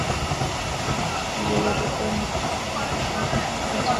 Doctor যুগড়েকরের মিত্র আমার অতিশয় যত্ন করিয়াছেন।